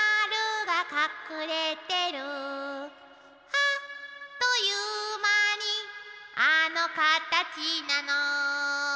「あっという間にあのカタチなの」